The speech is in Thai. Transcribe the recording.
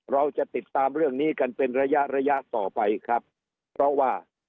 เราจะติดตามเรื่องนี้กันเป็นระยะระยะต่อไปครับเพราะว่า